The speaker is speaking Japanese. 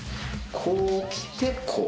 こうきてこう。